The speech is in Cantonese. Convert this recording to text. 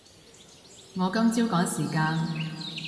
我今朝趕時間